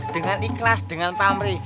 dengan ikhlas dengan tamri